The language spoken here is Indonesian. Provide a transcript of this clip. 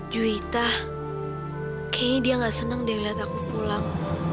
juwita kayaknya dia nggak senang dia lihat aku pulang